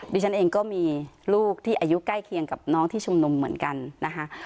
ดิฉันเองก็มีลูกที่อายุใกล้เคียงกับน้องที่ชุมนุมเหมือนกันนะคะ